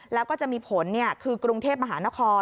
แล้วก็จะมีผลคือกรุงเทพมหานคร